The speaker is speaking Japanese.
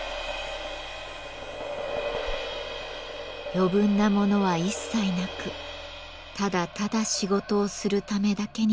余分なものは一切なくただただ仕事をするためだけに作られた姿。